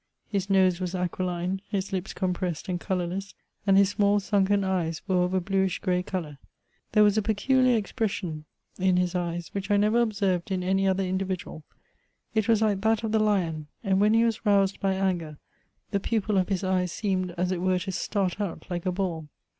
His nose was aquiline> his Ups compressed and colourless, and his small, sunken eyes were of a blueish grey colour. There was a peculiar expression in hb eyes which I never observed in any other individual. It was like that of the lion ; and when he was roused by anger, the pupil of his eye seemed as it were to start out like a ball.